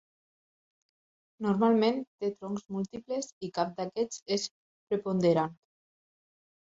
Normalment, té troncs múltiples i cap d'aquests és preponderant.